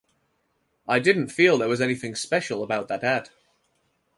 I didn't feel there was anything special about that ad.